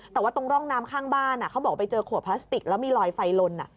แต่ว่าตรงร่องน้ำข้างบ้านเขาบอกไปเจอขวดพลาสติกแล้วมีรอยไฟลน